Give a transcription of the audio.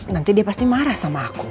nanti dia pasti marah sama aku